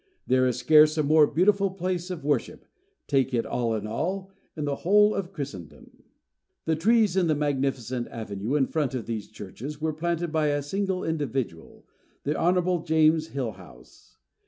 There is scarce a more beautiful place of worship, take it all in all, in the whole of Christendom. The trees in the magnificent avenue in front of these churches were planted by a single individual, the Hon. James Hillhouse.